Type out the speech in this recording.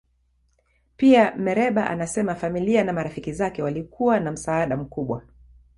Pia, Mereba anasema familia na marafiki zake walikuwa na msaada mkubwa.